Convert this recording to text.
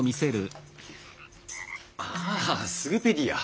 ああスグペディア。